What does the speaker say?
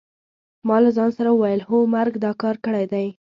ما له ځان سره وویل: هو مرګ دا کار کړی دی.